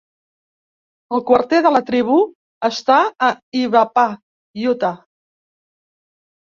El quarter de la tribu està a Ibapah, Utah.